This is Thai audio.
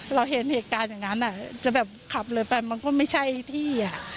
เราเห็นเหตุการณ์อย่างนั้นจะแบบขับเลยไปมันก็ไม่ใช่ที่